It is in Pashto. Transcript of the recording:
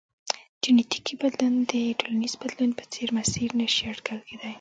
جنیټیکي بدلون د ټولنیز بدلون په څېر مسیر نه شي اټکل کېدای.